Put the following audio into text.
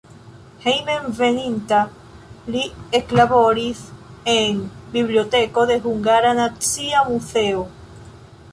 Hejmenveninta li eklaboris en biblioteko de Hungara Nacia Muzeo.